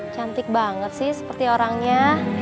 cantik banget sih seperti orangnya